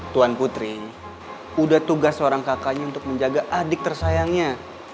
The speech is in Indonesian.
tuan putri udah tugas seorang kakaknya untuk menjaga adik tersayangnya